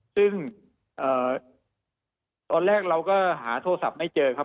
ซึ่งตอนแรกเราก็หาโทรศัพท์ไม่เจอครับ